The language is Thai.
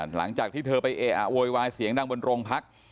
หลังจากที่เธอไปเออะโวยวายเสียงดังบนโรงพัก